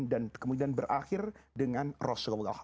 dan kemudian berakhir dengan rasulullah